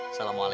iya pak ustadz